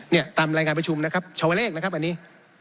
เนี่ยตามรายงานประชุมนะครับชาวเลขนะครับอันนี้